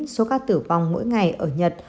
số ca tử vong mỗi ngày ở nhật